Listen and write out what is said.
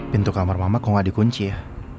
pintu kamar mama kok gak dikunci ya